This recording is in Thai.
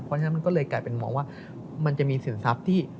เพราะฉะนั้นมันก็เลยกลายเป็นมองว่ามันจะมีสินทรัพย์ที่